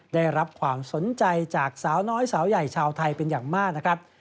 ได้รับความสนใจจากสาวน้อยสาวใหญ่ชาวไทยเป็นอย่างมากนะครับ